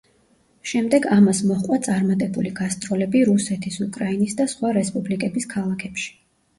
შემდეგ ამას მოჰყვა წარმატებული გასტროლები რუსეთის, უკრაინის და სხვა რესპუბლიკების ქალაქებში.